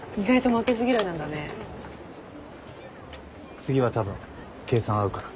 次はたぶん計算合うから。